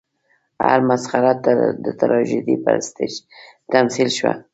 هره مسخره د تراژیدۍ پر سټېج تمثیل شوه.